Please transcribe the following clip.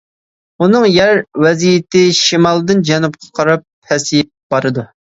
ئۇنىڭ يەر ۋەزىيىتى شىمالدىن جەنۇبقا قاراپ پەسىيىپ بارىدۇ.